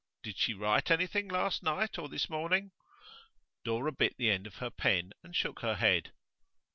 Did she write anything last night or this morning?' Dora bit the end of her pen and shook her head.